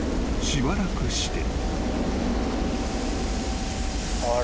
［しばらくして］